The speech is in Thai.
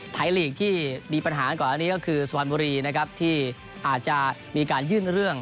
ไทยลีกว์ที่มีปัญหาก่อนอันนี้ก็คือสวันบุรีที่อาจจะมีการยื่นเรื่อง